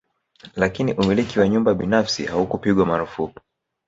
Lakini umiliki wa nyumba binafsi haukupigwa marufuku